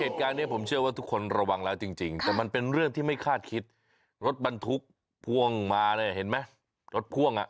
เหตุการณ์นี้ผมเชื่อว่าทุกคนระวังแล้วจริงแต่มันเป็นเรื่องที่ไม่คาดคิดรถบรรทุกพ่วงมาเนี่ยเห็นไหมรถพ่วงอ่ะ